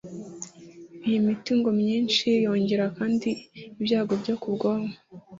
iyi miti ngo myinshi yongera kandi ibyago byo ku bwonko